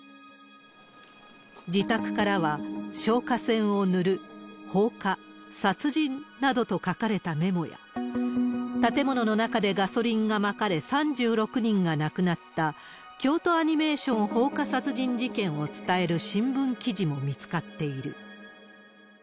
自宅からは、消火栓を塗る、放火、殺人などと書かれたメモや、建物の中でガソリンがまかれ、３６人が亡くなった、京都アニメーション放火殺人事件を伝える新聞記事も見つかっている。